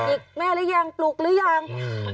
อีกแม่หรือยังปลูกหรือยัง